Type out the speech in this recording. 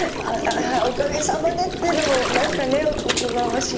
「おかげさまで」っていうのも何かねおこがましいので。